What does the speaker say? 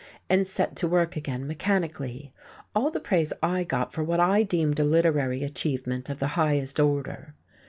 and set to work again, mechanically, all the praise I got for what I deemed a literary achievement of the highest order!